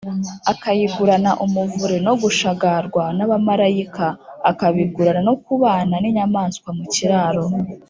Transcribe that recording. akayigurana umuvure, no gushagarwa n’Abamarayika akabigurana no kubana n’inyamaswa mu kiraro